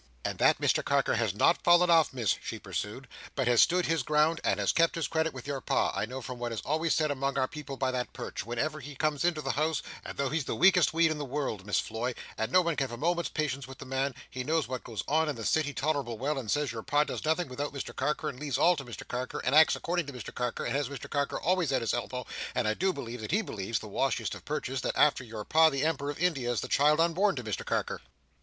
"And that Mr Carker has not fallen off, Miss," she pursued, "but has stood his ground, and kept his credit with your Pa, I know from what is always said among our people by that Perch, whenever he comes to the house; and though he's the weakest weed in the world, Miss Floy, and no one can have a moment's patience with the man, he knows what goes on in the City tolerable well, and says that your Pa does nothing without Mr Carker, and leaves all to Mr Carker, and acts according to Mr Carker, and has Mr Carker always at his elbow, and I do believe that he believes (that washiest of Perches!) that after your Pa, the Emperor of India is the child unborn to Mr Carker."